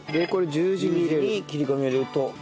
十字に切り込みを入れると。